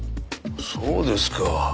そうですか。